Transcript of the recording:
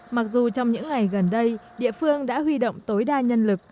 mặc dù trong những ngày gần đây địa phương đã huy động tối đa nhân lực